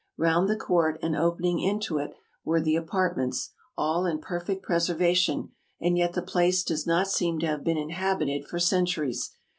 Round the court, and opening into it, were the apartments, all in perfect preservation ; and yet the place does not seem to have been inhabited for centuries.